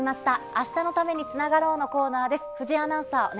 明日のためにつながろう！のコーナーです。